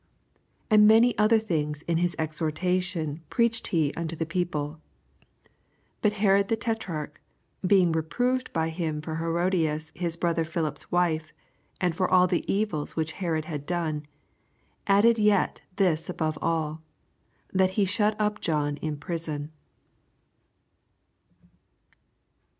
18 And many other things in his exhortation preached he unto the people. 19 But Herod the tetrarch, beii^ reproved b^ him for Herodias his brother Phihp^s wife, and for all the evils which Herod had done, 20 Added yet this above all, that he shut up John in prison.